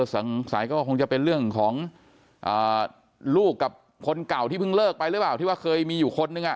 สงสัยก็คงจะเป็นเรื่องของลูกกับคนเก่าที่เพิ่งเลิกไปหรือเปล่าที่ว่าเคยมีอยู่คนนึง